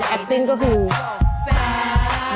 แอปติ้งก็คือ